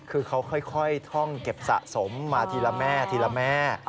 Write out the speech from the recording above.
คือเขาค่อยท่องเก็บสะสมมาทีละแม่ทีละแม่